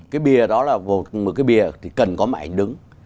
cái bìa đó là một cái bìa thì cần có một ảnh đứng